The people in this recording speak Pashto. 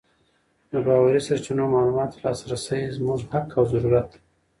د باوري سرچینو معلوماتو ته لاسرسی زموږ حق او ضرورت دی.